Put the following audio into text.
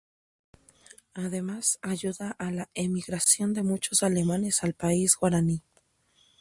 Además ayuda a la emigración de muchos alemanes al país guaraní.